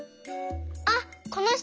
あっこの人！